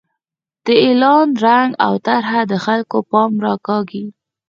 د اعلان رنګ او طرحه د خلکو پام راکاږي.